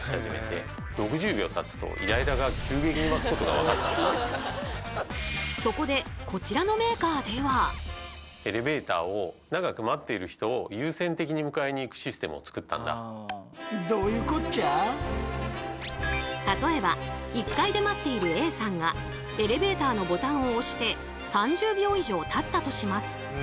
僕らはまずそこでエレベーターを例えば１階で待っているＡさんがエレベーターのボタンを押して３０秒以上たったとします。